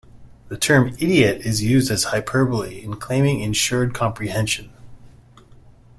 The term "idiot" is used as hyperbole in claiming ensured comprehension.